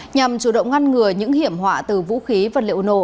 nhằm chủ động ngăn ngừa những hiểm họa từ vũ khí vật liệu nổ